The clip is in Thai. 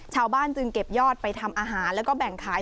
ชาวบ้านจึงเก็บยอดไปทำอาหารแล้วก็แบ่งขาย